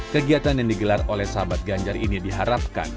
kegiatan yang digelar oleh sahabat ganjar ini diharapkan